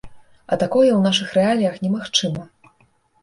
А такое ў нашых рэаліях немагчыма.